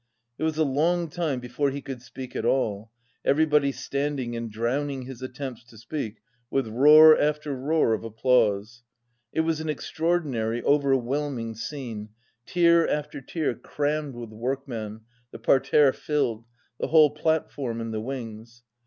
It was a long time before he could speak at all, everybody standing and drowning his attempts to speak with roar after roar of applause. It was an extraordinary, overwhelming scene, tier after tier crammed with workmen, the parterre filled, the whole platform and the wings.